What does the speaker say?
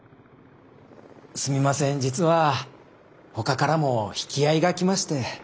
すみません実はほかからも引き合いが来まして。